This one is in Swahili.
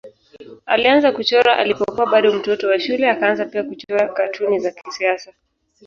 Alianza kuchora alipokuwa bado mtoto wa shule akaanza pia kuchora katuni za kisiasa.